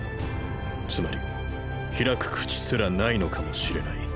つまり「開く口」すらないのかもしれない。